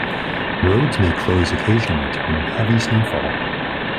Roads may close occasionally during heavy snowfall.